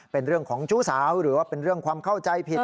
เป็นเรื่องของชู้สาวหรือว่าเป็นเรื่องความเข้าใจผิด